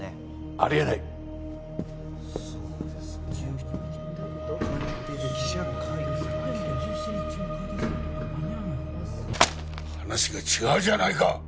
ありえない話が違うじゃないか！